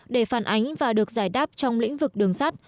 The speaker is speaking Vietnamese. để phản ánh và được giải đáp trong lĩnh vực đường sắt